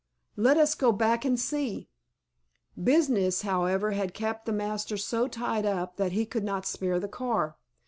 Let us go back and see." Business, however, had kept the master so tied up that he could not spare the car.